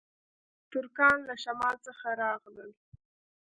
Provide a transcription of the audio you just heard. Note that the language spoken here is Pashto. ترکان له شمال څخه راغلل